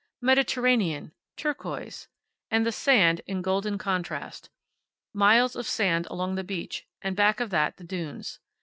Mediterranean. Turquoise. And the sand in golden contrast. Miles of sand along the beach, and back of that the dunes.